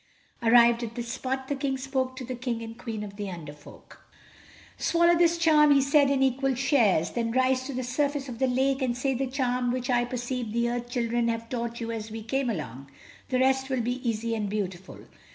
Arrived at this spot the King spoke to the King and Queen of the Under Folk. "Swallow this charm," he said, "in equal shares—then rise to the surface of the lake and say the charm which I perceive the Earth children have taught you as we came along. The rest will be easy and beautiful.